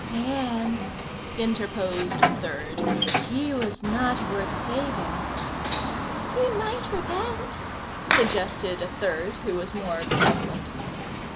"And," interposed a third, "he was not worth saving." "He might repent," suggested another who was more benevolent.